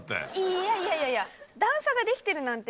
いやいやいやいや。